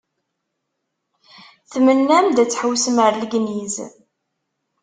Tmennam-d ad tḥewwsem ar Legniz.